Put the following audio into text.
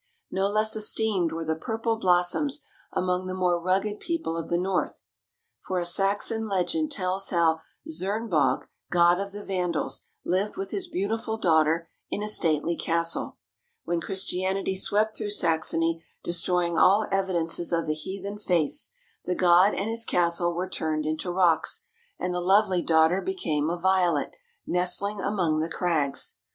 No less esteemed were the purple blossoms among the more rugged people of the North, for a Saxon legend tells how Czernebogh, god of the Vandals, lived with his beautiful daughter in a stately castle. When Christianity swept through Saxony, destroying all evidences of the heathen faiths, the god and his castle were turned into rocks, and the lovely daughter became a Violet, nestling among the crags.